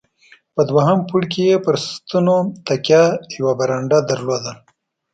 په دوهم پوړ کې یې پر ستنو تکیه، یوه برنډه درلوده.